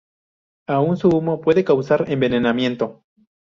Aún su humo puede causar envenenamiento.